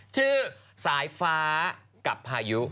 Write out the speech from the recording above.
ชื่อสายฟ้ากับพายุ